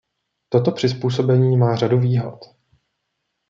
Toto přizpůsobení má řadu výhod.